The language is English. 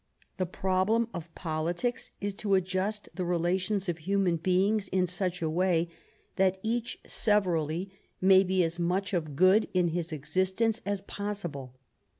The problem of politics is to adjust the relations of human beings in such a way that each severally may have as much of good in his existence as possible.